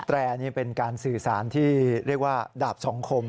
แรนี่เป็นการสื่อสารที่เรียกว่าดาบสองคม